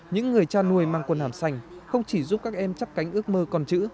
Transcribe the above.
những người cha nuôi mang quần hàm xanh không chỉ giúp các em chắp cánh ước mơ con chữ